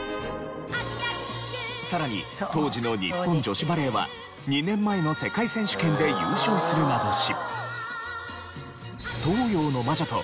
さらに当時の日本女子バレーは２年前の世界選手権で優勝するなどし。